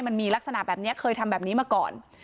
มันมีลักษณะแบบนี้เคยทำแบบนี้มาก่อน